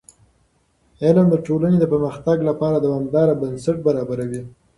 علم د ټولنې د پرمختګ لپاره دوامداره بنسټ برابروي.